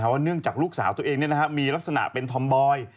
ว่าเนื่องจากลูกสาวตัวเองมีลักษณะเป็นธอมบอย